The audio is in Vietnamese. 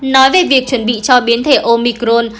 nói về việc chuẩn bị cho biến thể omicron